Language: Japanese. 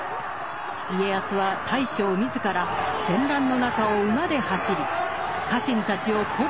家康は大将自ら戦乱の中を馬で走り家臣たちを鼓舞した。